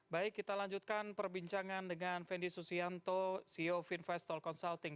baik kita lanjutkan perbincangan dengan fendi susianto ceo finvestol consulting